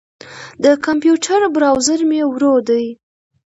د کمپیوټر بروزر مې ورو دی.